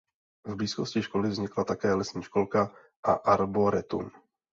V blízkosti školy vznikla také lesní školka a arboretum.